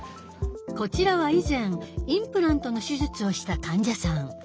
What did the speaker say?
こちらは以前インプラントの手術をした患者さん。